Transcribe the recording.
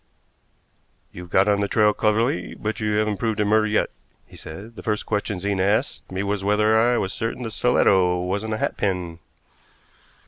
"You've got on the trail cleverly, but you haven't proved it murder yet," he said. "The first question Zena asked me was whether I was certain the stiletto wasn't a hatpin."